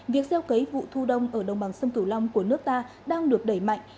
việc gieo cấy vụ thu đông ở đồng bằng sông cửu long của nước ta đang được đẩy mạnh